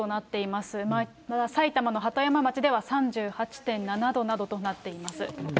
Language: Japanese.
また埼玉の鳩山町では３８．７度などとなっています。